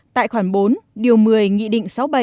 tại khoản bốn điều một mươi nghị định sáu mươi bảy